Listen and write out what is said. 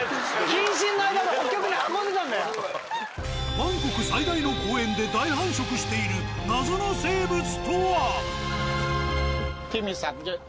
バンコク最大の公園で大繁殖している謎の生物とは！？へえ。